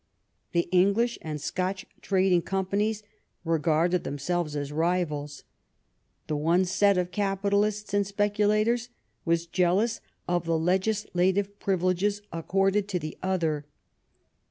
The English and Scotch trading companies regarded themselves as rivals. The one set of capitalists and speculators was jealous of the legis lative privileges accorded to the other.